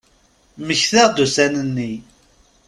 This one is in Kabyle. Mmektaɣ-d ussan-nni.